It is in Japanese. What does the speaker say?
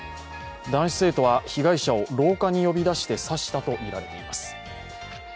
男子生徒は被害者を廊下に呼び出して刺したとみられています。